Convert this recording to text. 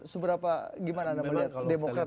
seberapa gimana anda melihat demokrat dalam pusaran ini